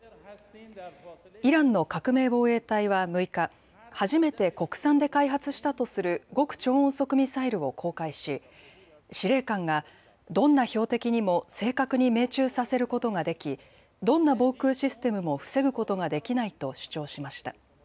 イランの革命防衛隊は６日、初めて国産で開発したとする極超音速ミサイルを公開し司令官がどんな標的にも正確に命中させることができ、どんな防空システムも防ぐことができないと主張しました。